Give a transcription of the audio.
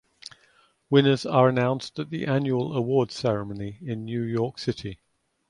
Winners are announced at the annual award ceremony in New York City.